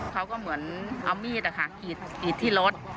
เขาก็เหมือนเอามีดอ่ะค่ะอีดอีดที่รถ